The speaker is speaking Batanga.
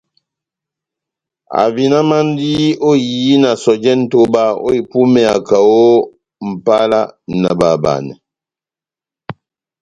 Ahavinamandi ó ehiyi na sɔjɛ nʼtoba ó ipúmeya kaho ó Mʼpala na bahabanɛ.